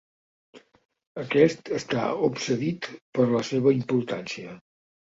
Aquest està obsedit per la seva importància.